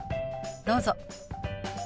どうぞ。